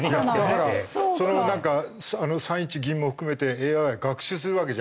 だからその３一銀も含めてＡＩは学習するわけじゃん？